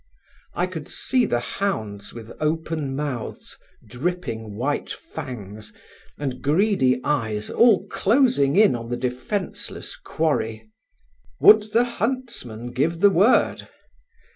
I could see the hounds with open mouths, dripping white fangs, and greedy eyes all closing in on the defenceless quarry. Would the huntsman give the word?